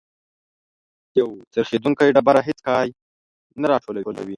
یو څرخیدونکی ډبره هیڅ کای نه راټولوي.